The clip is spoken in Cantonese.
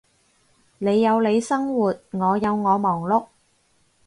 你有你生活，我有我忙碌